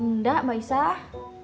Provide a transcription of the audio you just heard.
nggak mbak isah